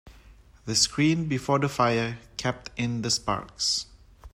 The screen before the fire kept in the sparks.